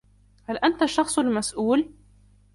هل أنت الشخص المسؤول؟